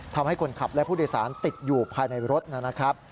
ทำให้คนขับและผู้โดยสารติดอยู่ภายในรถนะครับ